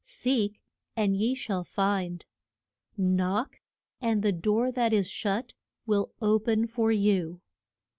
Seek and ye shall find. Knock, and the door that is shut will o pen for you.